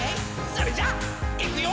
それじゃいくよ」